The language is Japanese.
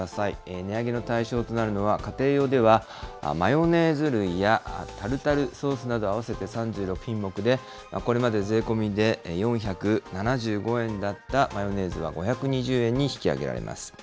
値上げの対象となるのは、家庭用ではマヨネーズ類やタルタルソースなど合わせて３６品目で、これまで税込みで４７５円だったマヨネーズは５２０円に引き上げられます。